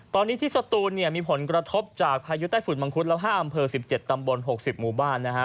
ตอนนี้ที่สตูนเนี่ยมีผลกระทบจากพายุใต้ฝุ่นมังคุดแล้ว๕อำเภอ๑๗ตำบล๖๐หมู่บ้านนะฮะ